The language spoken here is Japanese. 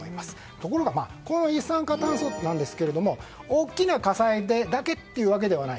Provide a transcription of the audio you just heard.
ところが、一酸化炭素なんですが大きな火災だけというわけではない。